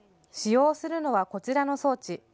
使用するのはこちらの装置。